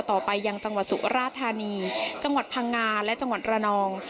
ต่อไปยังจังหวัดสุราธานีจังหวัดพังงาและจังหวัดระนอง